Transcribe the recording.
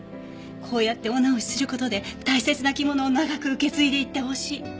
こうやってお直しする事で大切な着物を長く受け継いでいってほしい。